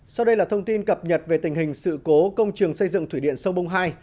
sau đây là thông tin cập nhật về tình hình sự cố công trường xây dựng thủy điện sông bung hai